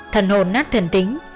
thần hồn nát thần tính